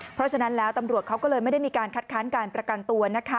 เพราะฉะนั้นแล้วตำรวจเขาก็เลยไม่ได้มีการคัดค้านการประกันตัวนะคะ